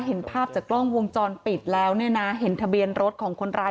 เห็นภาพจากกล้องวงจรปิดแล้วเนี่ยนะ